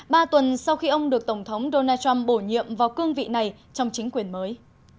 ba tuần sau khi ông được tổng thống donald trump bổ nhiệm vào cương vị này trong chính quyền mới